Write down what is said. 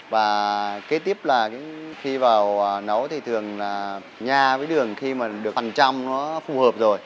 và kế tiếp là khi vào nấu thì thường là nha với đường khi mà được hàng trăm nó phù hợp rồi